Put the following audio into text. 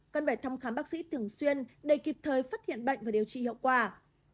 cần phải thăm khám bác sĩ thường xuyên để kịp thời phát hiện bệnh và điều trị hiệu quả